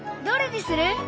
どれにする？